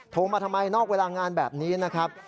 โทรมาทำไมนอกเวลางานแบบนี้นะครับ